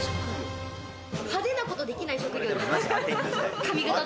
派手なことできない職業です